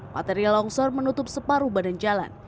material longsor menutup separuh badan jalan